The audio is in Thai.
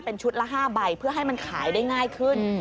เป็นชุดละ๕ใบเพื่อให้มันขายได้ง่ายขึ้น